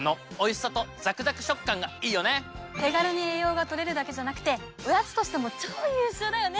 手軽に栄養が取れるだけじゃなくておやつとしても超優秀だよね！